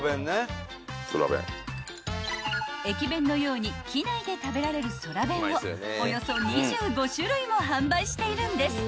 ［駅弁のように機内で食べられる空弁をおよそ２５種類も販売しているんです］